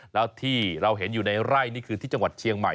แล้วที่เราเห็นอยู่ในไร่นี่คือที่จังหวัดเชียงใหม่